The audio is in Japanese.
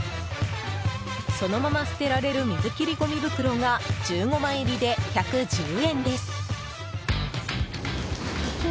そのまま捨てられる水切りゴミ袋が１５枚入りで１１０円です。